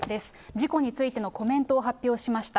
事故についてのコメントを発表しました。